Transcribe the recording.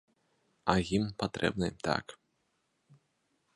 А гімн патрэбны, так.